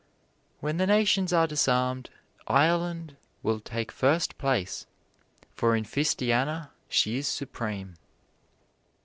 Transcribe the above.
When the nations are disarmed, Ireland will take first place, for in fistiana she is supreme.